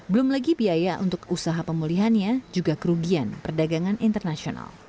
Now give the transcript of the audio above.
belum lagi biaya untuk usaha pemulihannya juga kerugian perdagangan internasional